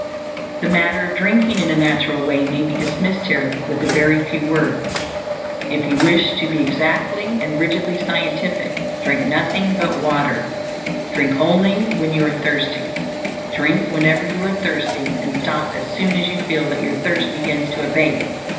The matter of drinking in a natural way may be dismissed here with a very few words. If you wish to be exactly and rigidly scientific, drink nothing but water; drink only when you are thirsty; drink whenever you are thirsty, and stop as soon as you feel that your thirst begins to abate.